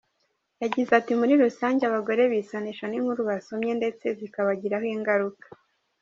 Yagize ati “Muri rusange abagore bisanisha n’inkuru basomye ndetse zikabagiraho ingaruka.